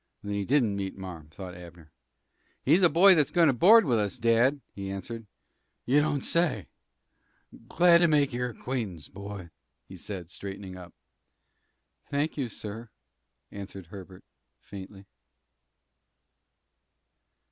"Then he didn't meet marm," thought Abner. "He's a boy that's goin' to board with us, dad," he answered. "You don't say! Glad to make your acquaintance, boy," he said, straightening up. "Thank you, sir," answered Herbert, faintly.